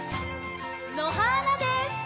のはーなです！